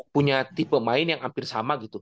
punya tipe main yang hampir sama gitu